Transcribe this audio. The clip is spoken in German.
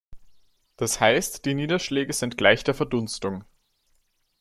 Das heißt, die Niederschläge sind gleich der Verdunstung.